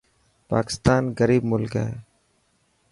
پاڪستان غريب ملڪ هي.